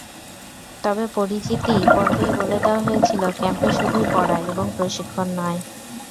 তবে পরিচিতি পর্বেই বলে দেওয়া হয়েছিল, ক্যাম্পে শুধুই পড়া এবং প্রশিক্ষণ নয়।